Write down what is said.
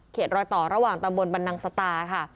รอยต่อระหว่างตำบลบันนังสตาค่ะ